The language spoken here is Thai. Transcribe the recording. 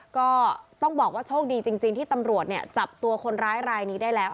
ก็ต้องบอกว่าโชคดีจริงที่ตำรวจจับตัวคนร้ายรายนี้ได้แล้ว